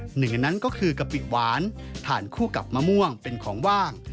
หนึ่งในนั้นก็คือกะปิหวานทานคู่กับมะม่วงเป็นของว่าง